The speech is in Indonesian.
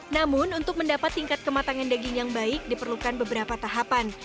namun untuk mendapat tingkat kematangan daging yang baik diperlukan beberapa tahapan